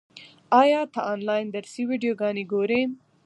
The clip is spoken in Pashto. ایا ته آنلاین درسي ویډیوګانې ګورې؟